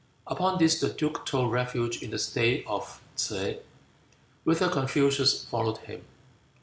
Upon this the duke took refuge in the state of T'se, whither Confucius followed him.